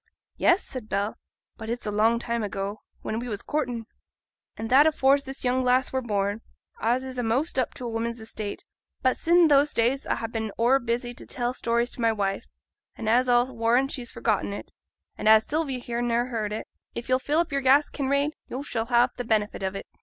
'Yes,' said Bell; 'but it's a long time ago; when we was courting.' 'An' that's afore this young lass were born, as is a'most up to woman's estate. But sin' those days a ha' been o'er busy to tell stories to my wife, an' as a'll warrant she's forgotten it; an' as Sylvia here niver heerd it, if yo'll fill your glass, Kinraid, yo' shall ha' t' benefit o't.